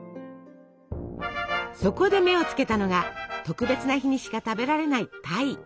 そこで目を付けたのが特別な日にしか食べられない鯛。